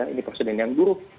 ini persoalan yang buruk